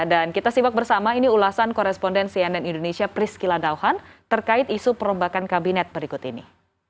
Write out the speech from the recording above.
dan kita simak bersama ini ulasan koresponden cnn indonesia pris kiladauhan terkait isu perombakan kabinet berikut ini